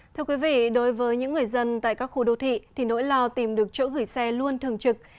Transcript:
thưa quý vị đối với những người dân tại các khu đô thị thì nỗi lo tìm được chỗ gửi xe luôn thường trực